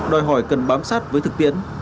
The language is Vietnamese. đòi hỏi cần bám sát với thực tiễn